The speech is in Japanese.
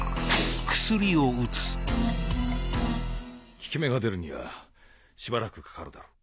効き目が出るにはしばらくかかるだろう。